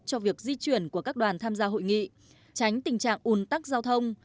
cho việc di chuyển của các đoàn tham gia hội nghị tránh tình trạng ùn tắc giao thông